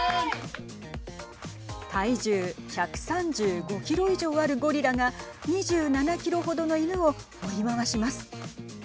体重１３５キロ以上あるゴリラが２７キロほどの犬を追い回します。